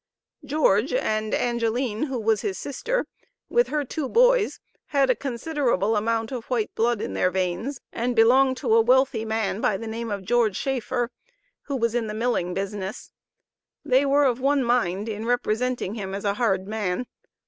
George and Angeline, (who was his sister) with her two boys had a considerable amount of white blood in their veins, and belonged to a wealthy man by the name of George Schaeffer, who was in the milling business. They were of one mind in representing him as a hard man.